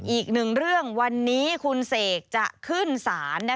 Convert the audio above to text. อีกหนึ่งเรื่องวันนี้คุณเสกจะขึ้นศาล